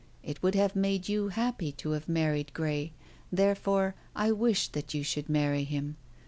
It would have made you happy to have married Grey, therefore I wished that you should marry him.